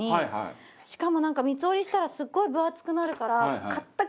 しかもなんか三つ折りしたらすごい分厚くなるから。